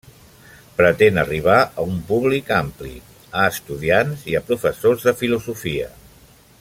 Pretén arribar a un públic ampli, a estudiants i a professors de filosofia.